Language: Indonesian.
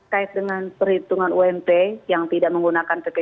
kait dengan perhitungan umt yang tidak menggunakan pp tiga puluh enam